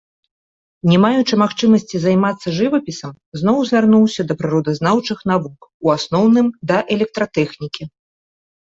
Не маючы магчымасці займацца жывапісам, зноў звярнуўся да прыродазнаўчых навук, у асноўным, да электратэхнікі.